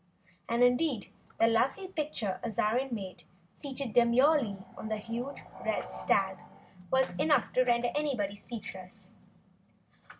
And indeed, the lovely picture Azarine made, seated demurely on the huge, red stag, was enough to render anyone speechless.